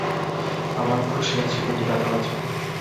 আমার খুশি আছে, কিন্তু ব্যথাও আছে।